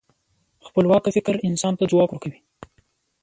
خپلواکه فکر انسان ته ځواک ورکوي.